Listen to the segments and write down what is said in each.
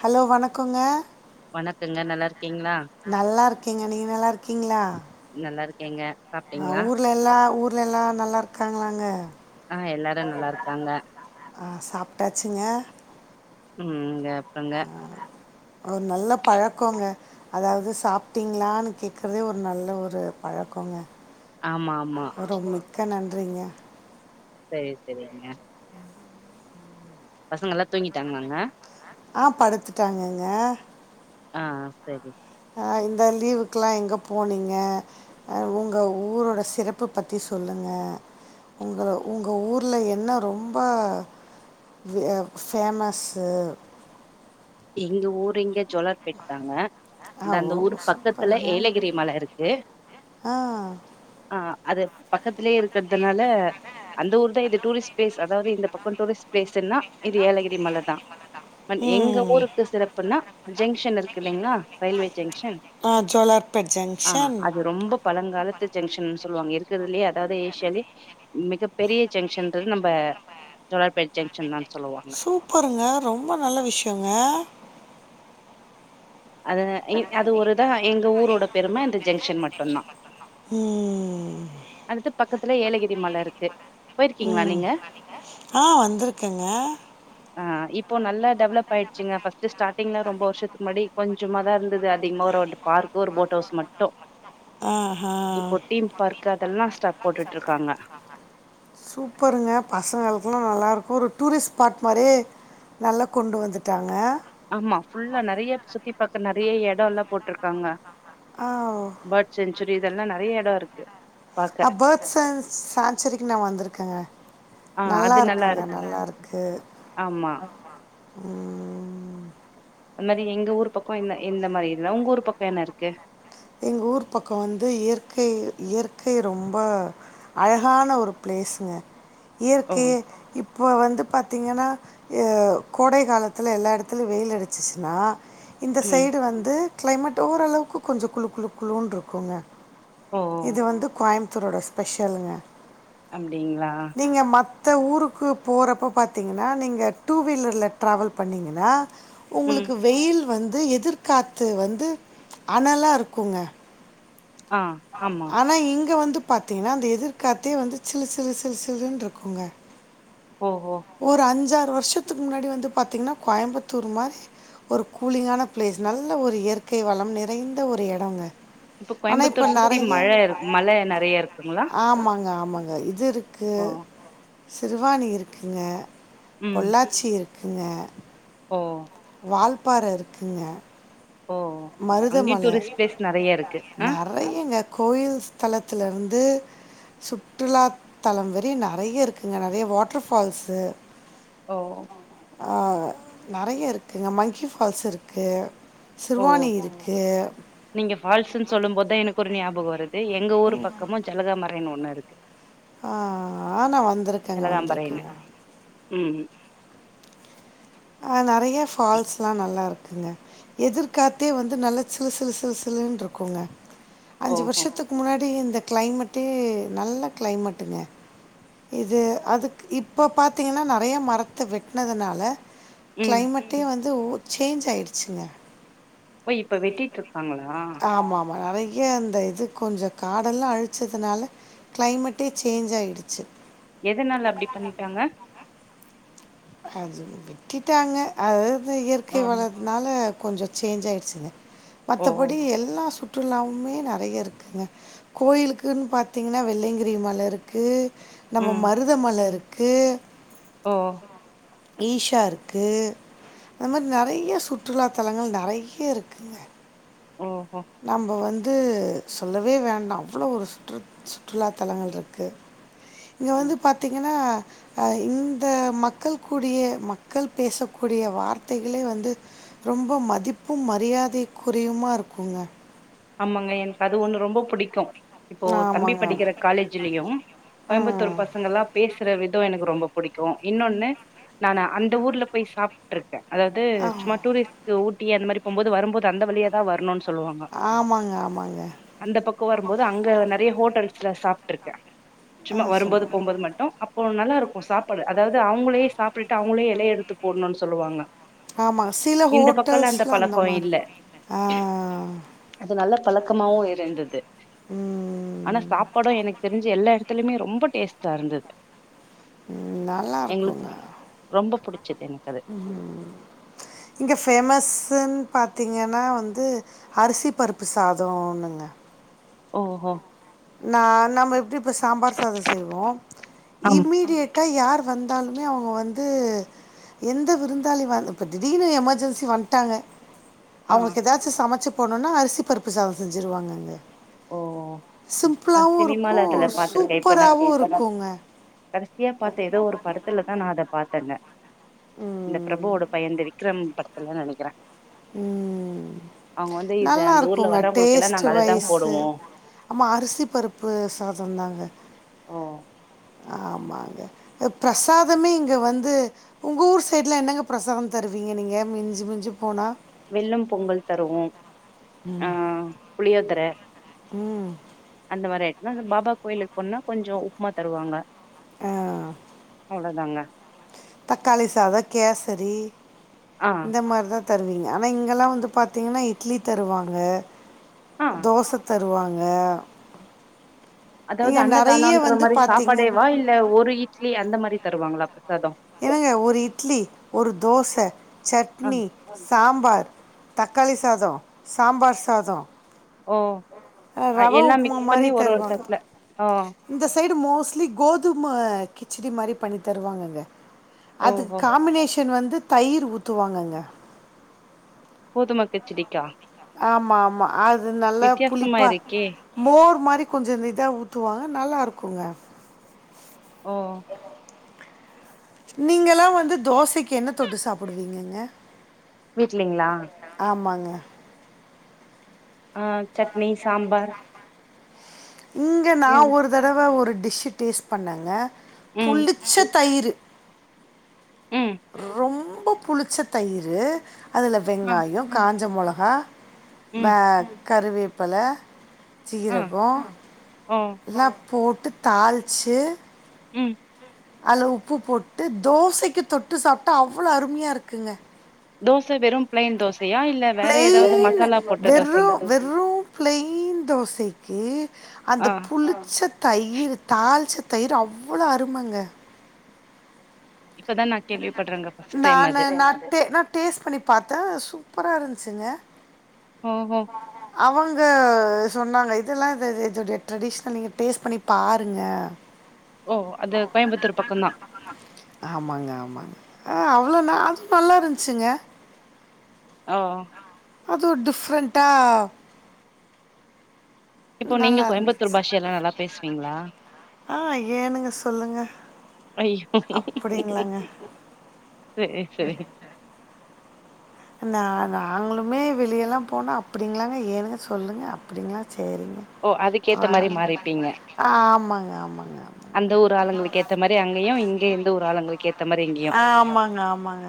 Hello வணக்குங்க வணக்கங்க நல்லாருக் நல்லா இருக்கேங்க நீங்க நல்லா இருக்கீங்களா ஏங்க [unintelligible] ஊர்லல்லா ஊர் ஆ ஊர்ல எல்லாம் நல்லா இருக்காங்களாங்க ஆஹ எல்லாரும் நல்லா இருக்காங்க ஆ சாப்பிட்டாச்சுங்க உம் ங்க ங்க ஒரு நல்ல பழக்கோங்க அதாவது சாப்பிட்டீங்களான்னு கேக்குறதே ஒரு நல்ல ஒரு பழக்கோங்க ஆமா ஆமா அறிங்க சரி சரிங்க பசங்க எல்லாம் தூங்கிட்டாங்களாங்க ஆஹ் படுத்துட்டாங்கங்க ஆஹ் சரி அஹ் இந்த லீவுக்கலா எங்க போனீங்க அஹ் உங்க ஊரோட சிறப்பு பத்தி சொல்லுங்க உங்க உங்க ஊர்ல என்ன ரொம்ப பேமஸ்சு எங்க ஊரு இங்க ஜோலார்பெட்தாங்க ஆ இந்த அந்த ஓ ஊர் பக்கத்துல சூப்பருங்க ஏலகிரி மல இருக்கு ஆ ஆஹ் அது பக்கத்திலயே இருக்கிறதுனால அந்த ஊர் தான் இது டூரிஸ்ட் பிளிஸ் அதாவது இந்த பக்கம் டுரிஸ்ட் பிளேஸ்னா இது ஏலகிரி மல தான் பன் எங்க ம் ஊருக்கு சிறப்புன்னா ஜங்ஷன் இருக்கு இல்லைங்களா ரயில்வே ஜங்ஷன் ஆ ஜோலார்பேட் ஆஹ் ஜங்ஷன் அது ரொம்ப பழங்காலத்து ஜங்ஷன் சொல்லுவாங்க இருக்கிறதுலயே அதாவது ஏஷியாலே மிகப் பெரிய ஜங்ஷன்து நம்ம சோழார்பேட்ட ஜங்ஷன் தான் சொல்லுவாங்க சூப்பருங்க ரொம்ப நல்ல விஷயம் ஆ அது அது ஒருதான் எங்க ஊரோட பெருமை இந்த ஜங்ஷன் மட்டுதான் உம் அடுத்து பக்கத்துல ஏலகிரி மல இருக்கு போயிருக்கீங்களா உம் நீங்க ஆஹ் வந்திருக்கேங்க ஆஹ இப்போ நல்லா டெவலப் ஆயிடுச்சுங்க ஃபஸ்ட் ஸ்டார்டிங்ல ரொம்ப வருஷத்துக்கு முன்னாடி கொஞ்சமா தான் இருந்துது அதிகமா அதிகமாக ஒரு [unintelligible] பார்க்க ஒரு போட் ஹவுஸ் மட்டும் ஆஹா இப்போ டீம் பார்க் அதெல்லாம் ஸ்டப் போட்டுட்டு இருக்காங்க ல்லாம் நல்லாருக்கும் ஒரு டூரிஸ்ட் ஸ்பாட் மாறியே நல்லா கொண்டு வந்துட்டாங்க ஆமா புல்லா நிறைய சுத்தி பா ப்ப நெறைய எடோ எல்லா போட்ருக்காங்க ஆ பேர்ட் செஞ்சுரி இதெல்லா நெறைய எடோ இருக்கு பாக்க ஆ பேர்ட் சேஞ்ச் சேஞ்சுரிக்கு நா வந்திருக்கேங்க ஆ அது நல்லா நல்லாருக்குங்க இருக்கு நல்லாருக்கு ஆமா ம் அது மாரி எங்க ஊர் பக்கம் என்ன இந்த மாரி இல்ல உங்க ஊர் பக்கம் என்ன இருக்கு எங்க ஊர் பக்கோ வந்து இயற்கை இயற்கை ரொம்ப அழகான ஒரு பிளேஸ்ங்க ஓ இயற்கைய இப் இப்போ வந்து பாத்திங்கன்னா ஏ கோடை காலத்தில எல்லா எடத்துலயு வெயில் அடிச்சிச்சுனா இந்த சைடு வந்து கிளைமேட் ஓரளவுக்கு கொஞ்சோ குளு குளு குளுனு இருக்குங்க ஓ இது வந்து கோயம் த்தரோட ஸ்பெஷலுங்க அப்டிங்களா மத்த ஊருக்கு போறப்போ பாத்தீங்கன்னா நீங்க டூ வீலர்ல ட்ராவல் பண்ணிங்கன்னா உங்களுக்கு வெயில் வந் ந்து எதிர்காத்து வந்து அனலாருக் க்குங்க ஆ ஆமா ஆனா இங்க வந்து பாத்தீங்கன்னா அந்த எதிர்கா்த்தே வந்து சிலு சிலு சிலு சிலுன்னுருக்குங்க ஓஹோ ஒரு அஞ்சா த்து வருஷத்துக்கு முன்னாடி வந்து பாத்திங்கன்னா கோயம்புத்தூர் மாரி ஒரு கூலிங்கான பிளேஸ் நல்ல ஒரு இயற்கை வளம் நிறைந்த ஒரு எடங்க இப்போ கோயம்புத்தூர் சுத் த்தி மல மல நெறையா இருக்குங்களா ங்க ஆமாங்க இது இருக் க்கு சிறுவாணி இருக்குங்க ம். பொள்ளாச்சி இருக் ங்க ஓ வால்பாற இருக்குங்க ஓ அங்கயு மருதமல டூரிஸ்ட் நெறைய இருக்கு ஆ [inaudible] நெறையங்க கோயில் ஸ்தலத்துல இருந் இது சுற்றுலாத்தலோ மாரி நெறைய இருக்குங்க நெறைய வாட்டர் ஃபால்ஸு ஓ ஆஹ் நெறைய இருக்குங்க மங்கி ஃபால்ஸ் இருக்கு ஓ சிறுவாணி இருக்கு. நீங்க ஃபால்ஸ்ன்னு சொல்லும்போதுதா எனக் [unintelligible] ஞாபகோ வருது து எங்க ஊர் பக்கமு ஜலகா மறைன் ஒன்னு இருக் [unintelligible] ஆ ஆ நா வந்திருக்கேங்க வந்திருக்கேங்க ம் ம் ஆ நெறைய ஃபால்ஸ்லா நல்லா இருக்குங்க எதிர்காத்தே வந்து நல்லா சிலு-சிலு-சிலு-சிலுனு இருக்குங்க அஞ்சு ஓஹோ வருசத்துக்கு முன்னாடி இந்த கிளைமேட்டு நல்ல கிளைமேட்டுங்க இது அதுக்கு இப்போ பாத்தீங்கன்னா நெறைய மரத்த வெட்னதுனால கிளைமேட்டே வந் அது சேஞ்ச் ஆயிடுச்சுங்க ஓ இப்ப வெட்டிட் ஆமா-ஆமா நெறைய் ஏ அந்த இது கொஞ்ச காடெல்லா அழிச்சதுனால கிளைமேட்டே சேஞ்ச் ஆயிடுச்சு எதனால அப்டி பண்ணிட்டாங்க அது விட்டுட்டாங்க அது அது இயற்கை வளத்துனால கொஞ்சோ சேஞ்ச் ஆயிடுச்சுங்க ஓ மத்தபடி எல்லா சு ற்றுலாவுமே நெறைய இருக்குங்க கோயிலுக்குன்னு பாத்திங்கன்னா வெள்ளங்கிரி மலை இருக்கு நம்ம மருதமல இருக் க்கு ஓ ஈஷா இருக்கு அந்த மாரி நெறைய சுற்றுலாத்தலங்கள் நெறைய இருக்குங்க ஓஹோ நம்ம வந் ந்து சொல்லவே வேண்டா அவ்ளோ ஒரு சுற்று சுற்றுலா தலங்கள் இருக்கு இங்க ம் வந்து பாத்தீங்கன்னா ஆ இந்த மக்கள்க்குறிய மக்கள் பேசக்கூடிய வார்த்தைகளே வந்து ரொம்ப மதிப்பும் மரியாதைக்குறியுமா இருக் ங்க ஆமாங்க எனக்கு அது ஒன்னு ரொம்ப புடிக்கு இப்போ தம்பி ஆமாங்க படிக்கிற காலேஜ்லயும் கோயம்புத்தூர் ம் பசங்க எல்லாம் பேசி பேசுற விதோ எனக்கு ரொம்ப பிடிக்கு இன்னொன்னு நா அந்த ஊர்ல போய் சாப்ட்டுருக் க்கு அதாவ்து ஆ சும்மா டூரிஸ்ட்க்கு ஊட்டி அந்த மாரி போம்போது வரும்போது அந்த வழியாதா வரணுன்னு சொல்வாங்க ஆமாங்க ஆமாங்க அந்த பக்கோ வரும்போது அங்க நெறைய ஹோட்டல் ல சாப்ட்டுருக்கே ஆ சும்மா வரும்போது சொல்லுங்க போம்போது மட்டும் அப் அப்போ நல்லா இருக்கு சாப்பாடு அதாவது அவுங்களே சாப்பிட்டு அவுங்களே எலைய எடுத்து போடணுன்னு சொல்வாங்க ஆமாங்க சில ஹோட்டல்ஸ்லா அந்த மாரி இல்ல. [inaudible] ஆஹ் அது நல்ல பழக்கமாவு இருந்தது ஆனா ம், சாப்பாடு எனக்கு தெரிஞ்சு எல்லா எடத் த்திலுமே ரொம்ப டேஸ்டா இருந்தது ம் நல்லா எங்களுக்கு இருக்குங்க ரொம்ப புடிச்சது எனக்கு அது ம்ஹும் இங்க ஃபேமஸ்ஸுன் பாத்தீங்கன்னா வந்து அரிசி பருப்பு சாதோ ஒன்னுங்க ஓஹோ நா-நம்ப எப்டி இப்ப சாம்பார் சாதோ செய்வோ ஆம் இம்மீடியட் டா யார் வந்தாலுமே அவங்க வந்து எந்த விருந்தாளி வ இப்ப திடீர்னு எமெர்ஜென்சி வந்ட்டாங்க ஆ அவங்களுக்கு ஏதாச்சு சமைச்சு போனோனா அரிசி பருப்பு சாதோ செஞ்சுருவாங்கங்க ஓ நா சிம்பிளாகவும் சினிமால இருக்கும் அதுல பாத்திருக்கேன் இப்ப நா சூப்பராகவும் இருக்குங்க கடைசியா பாத்த ஏதோ ஒரு படத்துலதா நா அத பாத்தங்க இந்த பிரபுவோட பைய இந்த விக்ரம் படத் இல்ல நெனக்கிறே ம் இது நல்லா அந்த ஊர்ல இருக்குங்க டேஸ்ட் வைஸ் ஆமா அத் அரிசி பருப்பு சாததாங்க வர்றவங்களுக்கு ஆமாங்க அ பிரசாதமே இங்க வந்து உங்க ஊர் சைட்ல என்னங்க பிரசாதம் தருவீங்க நீங்க மிஞ்சு-மிஞ்சு போனா வெல்லம் பொங்கல் தருவோ ஆ ம் புளியோதர ம் அந்த மாரி எடத்துல பாபா கோயிலுக்கு போனா கொஞ்ச உப்மா தருவாங்க ஆ அவ்ளோ தாங்க தக்காளி சாதோ கேசரி ஆ இந்த மாரிதா தருவீங்க ஆனா இங்கெல்லா வந்து பாத்தீங்கன்னா இட்லி தருவாங்க ஆ தோசத்த தருவாங்க அதாவது நீங்க நெறைய அன்னதானன்ற வந்து மாரி பார்த்தீங்க சாப்பாடேவா இல்ல ஒரு இட்லி அந்த மாரி தருவாங்களாக் என்னங்க ஒரு இட்லி ஒரு தோச சட்னி சாம்பார் தக் க்காளி சாதோ சாம்பார் சாதோ ஓ அ எல்லா உப்புமா மிக்ஸ் மாரி பண்ணி ஒரு ஒரு தட்ல ஆ ங்க மோஸ்ட்லி கோதும கிச்சடி மாரி பண்ணி தருவாங்கங்க அதுக் ஓஹோ காம்பினேஷ் [unintelligible] வந்து தயிர் ஊத்துவாங்கங்க கோதும கிச்சடிக்கா ஆமா ஆமா அது அது நல்லா சும்மா புளிப்பா இரு மோர் மாரி [unintelligible] கொஞ்ச இதா ஊத்துவாங்க நல்லா இருக்குங்க ஓ நீங்கெல்லா வந்து தோசைக்கு என்ன தொட்டு சாப்பிடுவீங்கங்க வீட்லிங்ளா ஆமாங்க ஆ சட்னி சாம்பார் இங்க நா ஏது ஒரு தடவ ஒரு டிஸ்ஸு டேஸ்ட் பண்ணேங்க ம் புளிச்ச தயிரு ம் ரொம்ப புளிச்ச தயிரு அதுல ஆ வெங்காயோ காஞ்ச மொளகா ஆ பேக் கருவேப்பல ஆ சீரகோ [unintelligible] போட்டு தாளிச்சு ம் அதுல உப்பு போட்டு தோசைக்கு தொட்டு சாப்டா அவ்ளோ அருமையா இருக்குங்க தோச வெறு பிளைன் தோசையா இல் பிளைன் வெறு வெறு பிளைன் தோசைக்கு அந்த புளிச்ச தயிர் த தாளிச்ச தயிர் அவ்ளோ அருமங்க இப்பதா நா கேள்விப்படுறேங்க ஃபர்ஸ்ட் கேள்விப்படற டைம் நானு அது நா ட்டே நா டேஸ்ட் பண்ணி பாத்தே சூப்பரா இருந் ச்சுங்க ஓஹோ [inaudible] அவங்க சொன்னாங்க இதெல்லா இது இதோடைய ட்ரெடிஷ்னல் நீங்க டேஸ்ட் பண்ணி பாருங்க ஓ அது கோயம்புத்தூர் பக்கோந்தா ஆமாங்க-ஆமாங்க ஆ அவ்ளோ ந அது நல்லா இருந்துச்சுங்க ஆ அது டிஃபரண்டா இப்போ நீங்க கோயம்புத்தூர் இருந்துச்சு பாஷய எல்லா நல்லா பேசுவீங்களா ஆ ஐயோ அப்டிங்களாங்க சேரி-செரி நா நாங்களுமே வெளியெல்லா போனா அப்டிங்களாங்க ஏனுங்க சொல்லுங்க அப்டிங்களா ஓ அதுக்கேத்த மாரி மாறிப்பீங்க ஆமாங்க ஆமாங்க ஆமாங்க அந்த ஊர் ஆளுங்களுக்கு ஏத்த மாரி அங்கயும் இங் இந்த ஊரு ஆளுங்களுக்கே ஆ ஆமாங்க-ஆமாங்க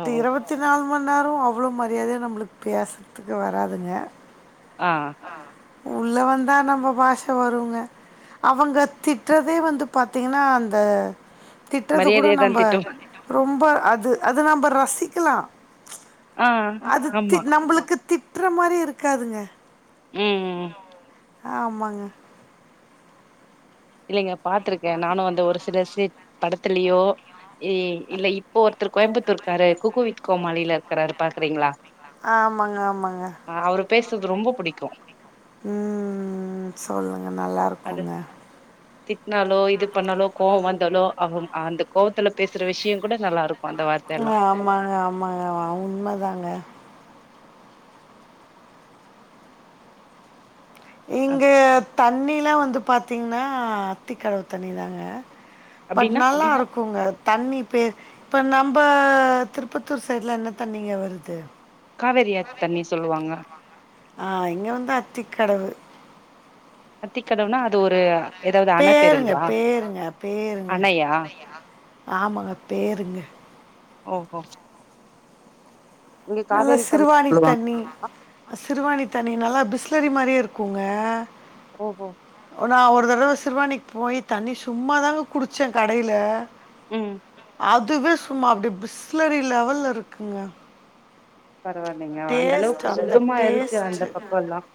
ஓ இருபத்தி நாலு மணி நேரோ அவ்ளவு மரியாதையா நம்மளுக் பேசறத்துக்கு வராதுங்க ஆ உள்ள வந்தா நம்ம பாஷ வருங்க அவங்க திட்றதே வந்து பாத்தீங்கனா அந்த திட்றது கூட மரியாதையா தா நம்ப திட் [inaudible] ரொம்ப அது அத நம்ப ரசிக்கலா ஆ அது தி ஆமா நம்பளுக்கு தி ட்டுற மாரி இருக்காதுங்க ம் ம் ம் ஆமாங்க இல்லைங்க பாத்துருக்கே நானு அந்த ஒரு சில சீ படத்துலயோ ஏ இல்ல இப்போ ஒரு ஒருத்தரு கோயம்பத்தூர்க்கார்ரு குக் வித் கோமாளில இருக்குறாரு பாக்கறீங்களா ஆ ஆமாங்க-ஆமாங்க பேசறது ரொம்ப பிடிக்கும் ம் ம் ம் சொல்லுங்க நல்லா இருக்கோங்க தி ட்னாலோ இது பண்ணாலோ கோவம் வந் [unintelligible] அவுங் அந்த கோவத்துல பேசுற விஷயோ [unintelligible] ஆமாங்க-ஆமாங்க ஆ உண்மதாங்க இங்க தண்ணிலா வந்து பாத்தீங்கனா அத்திக்கடவு தண்ணிதாங்க பட் அப்டின்னா நல்லா இருக் குங்க தண்ணி பேர் இப்ப நம்ப திருப்பத்தூர் சைட்லா என்ன தண்ணிங்க வருது காவேரி ஆத்து தண்ணி சொல்லுவாங்க ஆ இங்கே வந்து அத்திக்கடவு அத்திக்கதவுனா அது ஒரு ஏதாவது அண பேருங்களா பேருங்க-பேருங்க-பேருங்க அணையா ஆமாங்க பேருங்க ஓ-ஓ நல்ல சிறுவானி சொல்லுவாங்க. தண்ணி-சிறுவானி தன் நீ நல்லா பிஸ்லரி மாரியே இருக்குங்க ஓ-ஓ நா ஒரு தடவ சிருவானிக்கு போய் தண்ணி சும்மா தாங்க குடிச்ச கடைல உம் அதுவே சும்மா அப்டி பிஸ்லரி லெவல்ல இருக்குங்க பரவாயில்லங்க அந்த டேஸ்ட் அளவுக்கு அந்த சுத்தமா இருக்கு டேஸ்ட் அந்த பக்கம்லாம்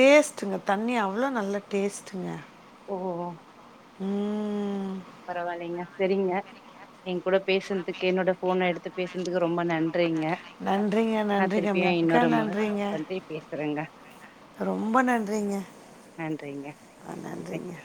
டேஸ்ட்டுங்க தண்ணி அவ்ளோ நல்ல டேஸ்ட்டுங்க ஓ உம் பரவில்லைங்க செரிங்க என் கூட பேசுனதுக்கு என்னோட போனை எடுத்து பேசுனதுக்கு ரொம்ப நன்றி நன்றிங்க நன்றிங்க நா நன்றிங்க திருப்பியும் மிக்க இன்னொரு முறை நன்றிங்க பண்ணி பேசுறேங்க ரொம்ப நன்றிங்க நன்றிங்க ஹ நன்றிங்க